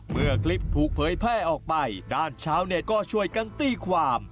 เมื่อคลิปถูกเผยแพร่ออกไปด้านชาวเน็ตก็ช่วยกันตีความ